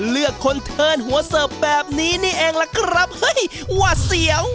เลือกคนถึงหัวเสิร์ฟแบบนี้แหละวัดเสียว